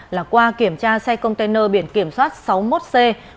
là qua kiểm tra xe container biển kiểm soát sáu mươi một c bốn mươi một nghìn năm trăm hai mươi tám